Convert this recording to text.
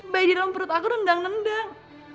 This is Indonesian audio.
bayi di dalam perut aku rendang nendang